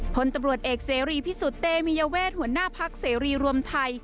พลตำรวจเอกเสรีพิสุทธิ์เตมียเวทหัวหน้าพักเสรีรวมไทย